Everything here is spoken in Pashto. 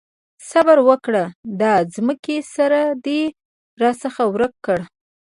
صبره وکړه! د ځمکې سر دې راڅخه ورک کړ.